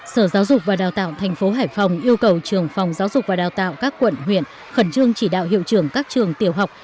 sở giáo dục và đào tạo tp hải phòng yêu cầu trường phòng giáo dục và đào tạo các quận huyện khẩn trương chỉ đạo hiệu trưởng các trường tiểu học